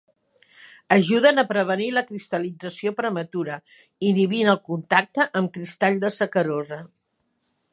Ajuden a prevenir la cristal·lització prematura inhibint el contacte amb cristall de sacarosa.